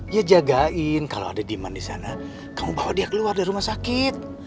ya jagain kalau ada diman disana kamu bawa dia keluar dari rumah sakit